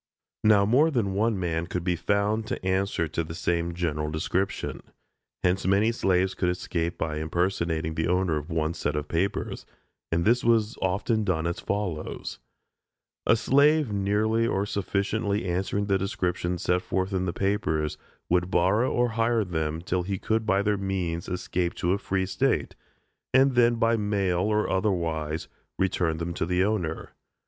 Now more than one man could be found to answer the same general description. Hence many slaves could escape by impersonating the owner of one set of papers; and this was often done as follows: A slave nearly or sufficiently answering the description set forth in the papers, would borrow or hire them till he could by their means escape to a free state, and then, by mail or otherwise, return them to the owner.